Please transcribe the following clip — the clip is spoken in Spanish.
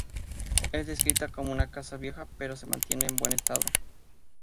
Es descrita como una casa vieja, pero que se mantiene en buen estado.